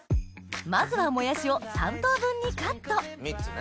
まずはもやしを３等分にカット３つね。